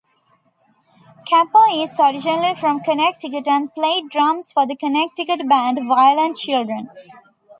Cappo is originally from Connecticut, and played drums for the Connecticut band Violent Children.